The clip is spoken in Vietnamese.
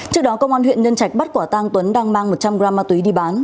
trước đó công an huyện nhân trạch bắt quả tang tuấn đang mang một trăm linh gram ma túy đi bán